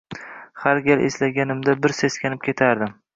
Har gal eslaganimda bir seskanib ketardim.